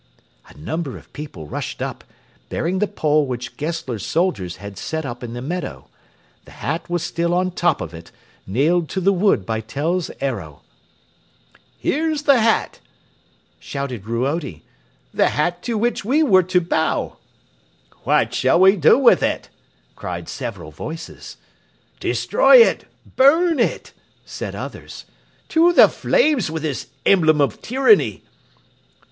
A number of people rushed up, bearing the pole which Gessler's soldiers had set up in the meadow. The hat was still on top of it, nailed to the wood by Tell's arrow. "Here's the hat!" shouted Ruodi "the hat to which we were to bow!" "What shall we do with it?" cried several voices. "Destroy it! Burn it!" said others. "To the flames with this emblem of tyranny!"